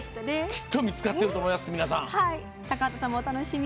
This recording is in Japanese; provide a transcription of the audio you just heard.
きっと見つかっていると思います皆さん。